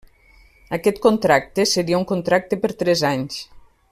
Aquest contracte seria un contracte per tres anys.